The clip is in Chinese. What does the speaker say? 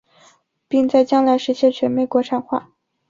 并在将来实现全面国产化。